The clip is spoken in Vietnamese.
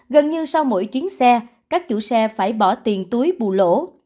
gần như sau mỗi chuyến xe các chủ xe phải bỏ tiền túi bù lỗ